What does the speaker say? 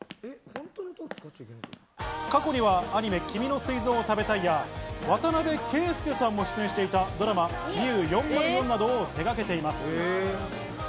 過去にはアニメ『君の膵臓をたべたい』や、渡邊圭祐さんも出演していたドラマ『ＭＩＵ４０４』などを手がけています。